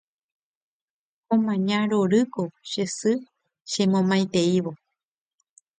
Omaña rorýko che sy chemomaiteívo